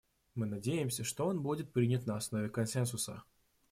Мы надеемся, что он будет принят на основе консенсуса.